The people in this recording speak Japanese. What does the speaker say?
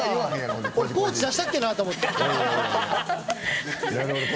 俺、ポーチ出したっけかなと思って。